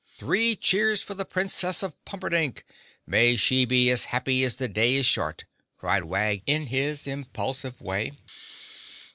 "Three cheers for the Princess of Pumperdink! May she be as happy as the day is short!" cried Wag in his impulsive way.